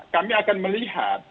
kami akan melihat